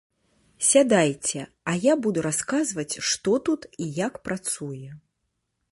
Сядайце, а я буду расказваць, што тут і як працуе.